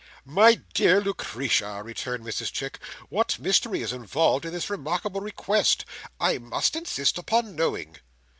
"My dear Lucretia," returned Mrs Chick, "what mystery is involved in this remarkable request? I must insist upon knowing."